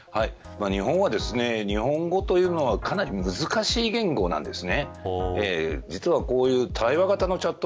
日本語というのはかなり難しい言語なんです。